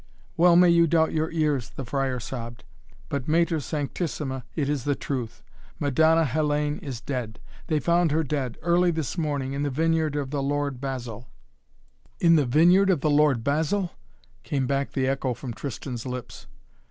"Well may you doubt your ears," the friar sobbed. "But Mater Sanctissima, it is the truth! Madonna Hellayne is dead. They found her dead early this morning in the vineyard of the Lord Basil." "In the vineyard of the Lord Basil?" came back the echo from Tristan's lips.